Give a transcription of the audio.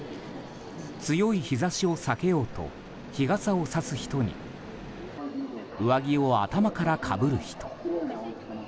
強い日差しを避けようと日傘をさす人に上着を頭からかぶる人。